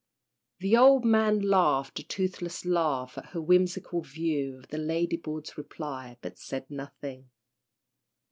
'"] The old man laughed a toothless laugh at her whimsical view of the lady boards' reply, but said nothing.